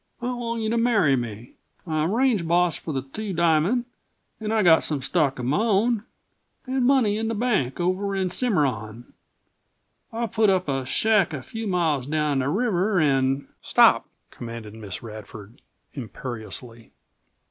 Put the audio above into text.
I want you to marry me. I'm range boss for the Two Diamond an' I've got some stock that's my own, an' money in the bank over in Cimarron. I'll put up a shack a few miles down the river an' " "Stop!" commanded Miss Radford imperiously.